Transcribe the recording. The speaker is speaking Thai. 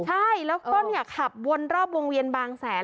ใช่แล้วก็ขับวนรอบวงเวียนบางแสน